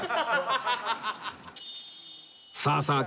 さあさあ